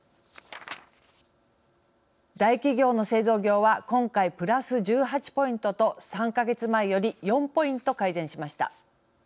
大企業の製造業は今回、プラス１８ポイントと３か月前より４ポイント改善しました。